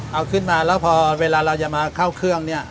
เอาขึ้นมาแล้วพอเวลาเราจะมาเข้าเครื่องเนี่ย